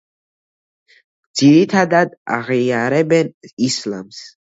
ძირითადად აღიარებენ ისლამს.